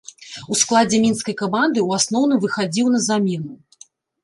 У складзе мінскай каманды ў асноўным выхадзіў на замену.